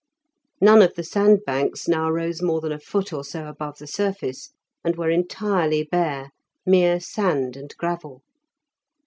None of the sandbanks now rose more than a foot or so above the surface, and were entirely bare, mere sand and gravel.